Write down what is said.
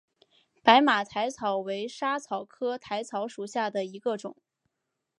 白马薹草为莎草科薹草属下的一个种。